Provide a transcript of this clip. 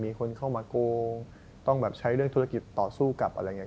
มีคนเข้ามาโกงต้องแบบใช้เรื่องธุรกิจต่อสู้กับอะไรอย่างนี้